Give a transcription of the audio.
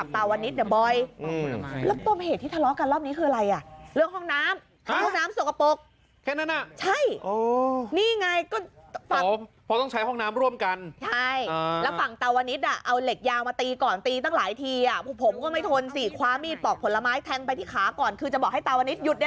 ตาวนิสหยุดได้แล้วไปได้แล้ว